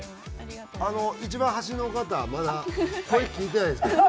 一番端の方まだ声聞いてないんですけど。